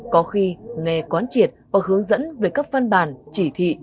có khi nghe quán triệt và hướng dẫn về các văn bản chỉ thị